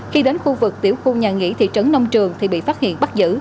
khi đến khu vực tiểu khu nhà nghỉ thị trấn nông trường thì bị phát hiện bắt giữ